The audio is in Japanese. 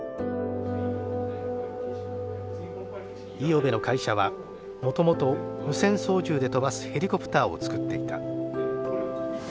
五百部の会社はもともと無線操縦で飛ばすヘリコプターを作っていた。